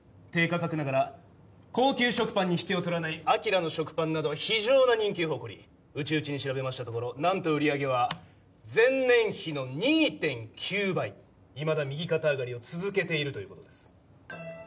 低価格ながら高級食パンに引けを取らないアキラの食パンなどは非常な人気を誇り内々に調べましたところ何と売り上げは前年比の２．９倍いまだ右肩上がりを続けているということです